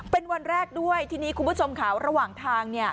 เป็นวันแรกด้วยทีนี้คุณผู้ชมค่ะระหว่างทาง